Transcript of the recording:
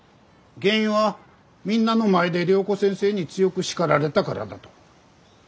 原因はみんなの前で良子先生に強く叱られたからだと。